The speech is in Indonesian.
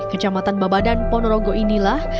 kecamatan babadan ponorogo inilah